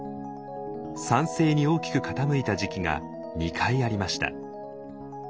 酸性に大きく傾いた時期が２回ありました。